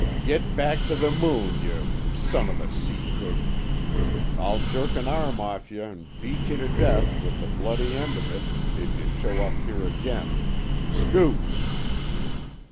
"Git back t' the Moon, yuh —— son of a sea cook! I'll jerk an arm off yuh an' beat yuh t' death with the bloody end of it, if yuh show up here again. Scoot!"